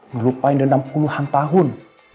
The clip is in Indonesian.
ngelupain dendam puluhan tahun